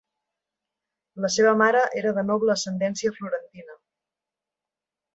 La seva mare era de noble ascendència florentina.